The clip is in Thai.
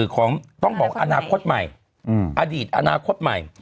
ของต้องบอกอนาคตใหม่อดีตอนาคตใหม่